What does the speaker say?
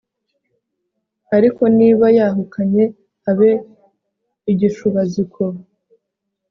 ariko niba yahukanye, abe igishubaziko